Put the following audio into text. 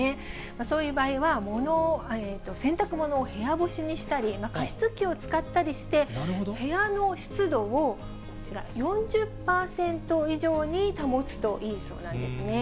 そういう場合は、洗濯物を部屋干しにしたり、加湿器を使ったりして、部屋の湿度をこちら、４０％以上に保つといいそうなんですね。